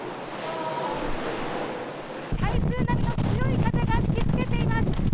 台風並みの強い風が吹きつけています。